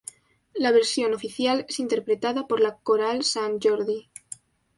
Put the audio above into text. La versión oficial es interpretada por la Coral Sant Jordi.